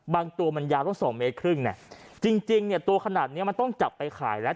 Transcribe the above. บางตัวมันยาวต้อง๒๕เมตรจริงตัวขนาดนี้มันต้องจับไปขายแล้ว